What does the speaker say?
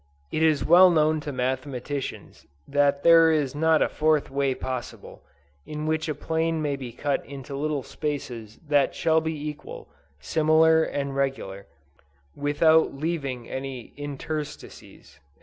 It is well known to mathematicians that there is not a fourth way possible, in which a plane may be cut into little spaces that shall be equal, similar and regular, without leaving any interstices."